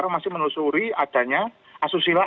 masih menelusuri adanya asusila